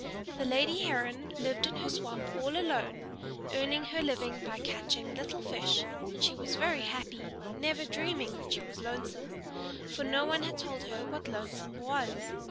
The lady Heron lived in her swamp all alone, earning her living by catching little fish; and she was very happy, never dreaming that she was lonesome, for no one had told her what lonesome was.